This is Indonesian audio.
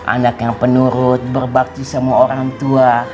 anak yang penurut berbakti semua orang tua